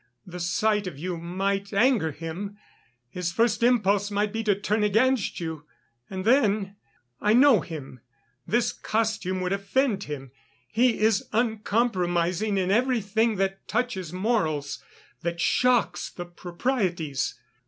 The sight of you might anger him; his first impulse might be to turn against you.... And then, I know him; this costume would offend him; he is uncompromising in everything that touches morals, that shocks the proprieties.